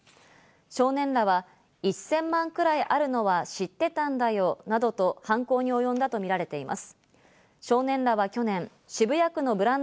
少年らは、１０００万くらいあるのは知ってたんだよなどと犯行におよんだとみられています。